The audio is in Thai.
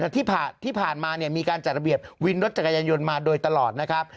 ที่ผ่านมาเนี่ยมีการจัดระเบียบวินรถจักรยานยนต์มาโดยตลอดนะครับ